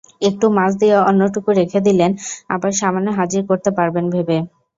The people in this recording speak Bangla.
একটু মাছ দিয়ে অন্যটুকু রেখে দিলেন আবার সামনে হাজির করতে পারবেন ভেবে।